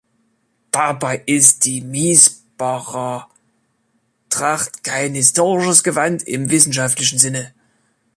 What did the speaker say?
Dabei ist die Miesbacher Tracht kein historisches Gewand im wissenschaftlichen Sinne.